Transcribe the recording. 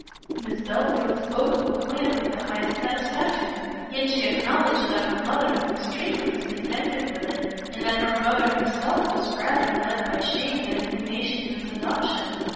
Miss Belfield spoke of the plan with the highest satisfaction; yet she acknowledged that her mother was extremely discontented with it, and that her brother himself was rather led by shame than inclination to its adoption.